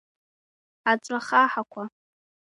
Аҵәахаҳақәа!